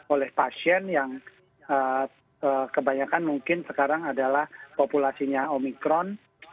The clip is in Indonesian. oleh pasien yang kebanyakan mungkin sekarang adalah populasinya omikron